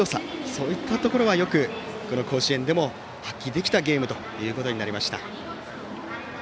そういったところはよく、この甲子園でも発揮できたゲームということになりました。